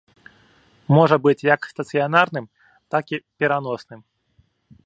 Можа быць як стацыянарным, так і пераносным.